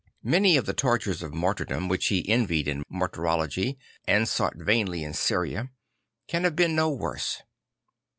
1fany of the tortures of martyrdom, which he envied in martyrology and sought vainly in Syria, can have been no worse.